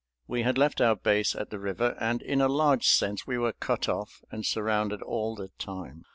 We had left our base at the river, and in a large sense we were cut off and surrounded all the time.